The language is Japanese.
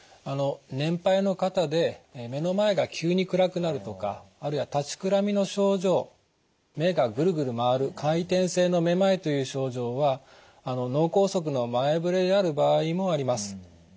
年配の方で目の前が急に暗くなるとかあるいは立ちくらみの症状目がぐるぐる回る回転性のめまいという症状は脳梗塞の前触れである場合もあります。